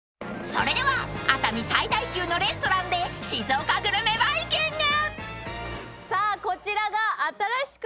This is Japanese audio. ［それでは熱海最大級のレストランで静岡グルメバイキング］